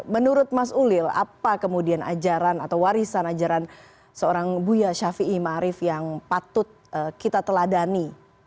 menurut mas ulil apa kemudian ajaran atau warisan ajaran seorang buya syafiee ma'arif yang patut kita teladani